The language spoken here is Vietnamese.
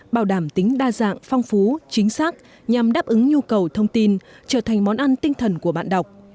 bảo đảm tính đa dạng phong phú chính xác nhằm đáp ứng nhu cầu thông tin trở thành món ăn tinh thần của bạn đọc